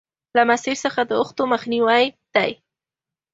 له مسیر څخه د اوښتو مخنیوی دی.